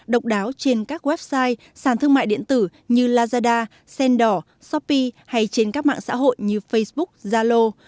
độc đáo trên các website sản thương mại điện tử như lazada sendor shopee hay trên các mạng xã hội như facebook zalo